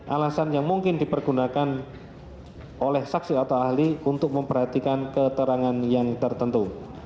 alasan yang mungkin dipergunakan oleh saksi atau ahli untuk memperhatikan keterangan yang tertentu